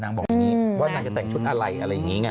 บอกอย่างนี้ว่านางจะแต่งชุดอะไรอะไรอย่างนี้ไง